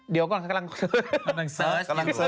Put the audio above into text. เดี๋ยวก่อนฉันกำลังเซิร์ชกำลังเซิร์ช